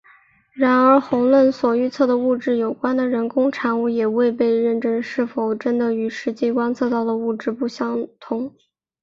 然而弦论所预测的物质有关的人工产物也未被证明是否真的与实际观测到的物质不相同。